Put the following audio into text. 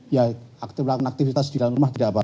ya aktifitas di dalam rumah tidak apa apa